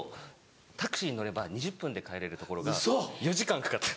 タクシーに乗れば２０分で帰れるところが４時間かかった。